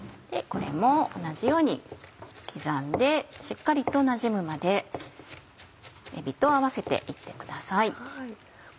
これも同じように刻んでしっかりとなじむまでえびと合わせて行ってください。